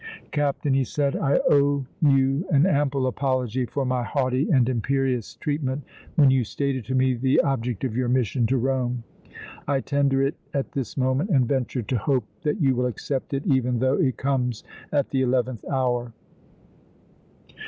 "Captain," he said, "I owe you an ample apology for my haughty and imperious treatment when you stated to me the object of your mission to Rome. I tender it at this moment and venture to hope that you will accept it even though it comes at the eleventh hour!"